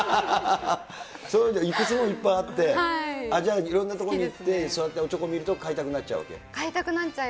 いくつもいっぱいあって、じゃあ、いろんな所に行って、そうやっておちょこ見ると、買いたくなっちゃう？